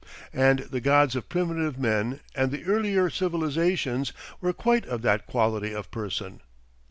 And the gods of primitive men and the earlier civilisations were quite of that quality of person.